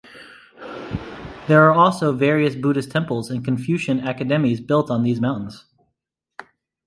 There are also various Buddhist temples and Confucian academies built on these mountains.